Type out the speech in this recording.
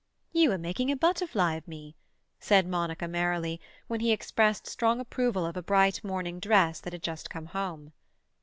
"You are making a butterfly of me," said Monica merrily, when he expressed strong approval of a bright morning dress that had just come home.